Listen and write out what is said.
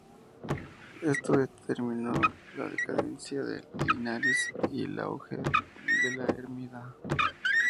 Esto determinó la decadencia de Linares y el auge de La Hermida.